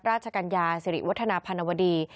กัญญาสิริวัฒนาพันวดี